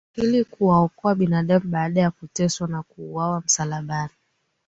ili kuwaokoa binadamu Baada ya kuteswa na kuuawa msalabani